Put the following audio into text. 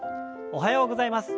おはようございます。